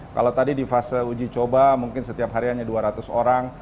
kalau tadi di fase uji coba mungkin setiap hari hanya dua ratus orang